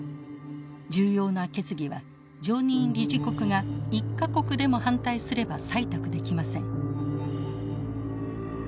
重要な決議は常任理事国が１か国でも反対すれば採択できません。